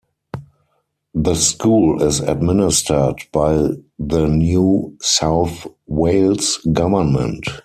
The school is administered by the New South Wales government.